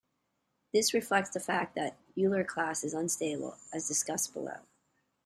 This reflects the fact that the Euler class is unstable, as discussed below.